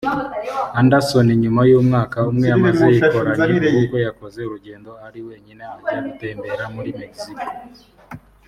Anderson nyuma y’umwaka umwe amaze yikoranye ubukwe yakoze urugendo ari wenyine ajya gutembera muri Mexico